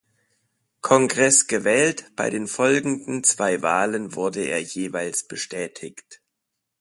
Kongresses gewählt; bei den folgenden zwei Wahlen wurde er jeweils bestätigt.